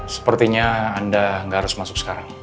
sepertinya anda nggak harus masuk sekarang